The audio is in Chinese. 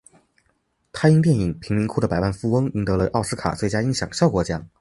他因电影贫民窟的百万富翁赢得了奥斯卡最佳音响效果奖。